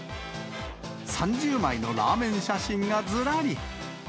３０枚のラーメン写真がずらり。